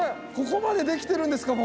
ここまでできてるんですか！